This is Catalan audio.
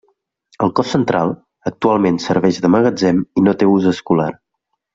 El cos central, actualment serveix de magatzem i no té ús escolar.